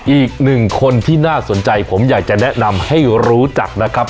อีกหนึ่งคนที่น่าสนใจผมอยากจะแนะนำให้รู้จักนะครับ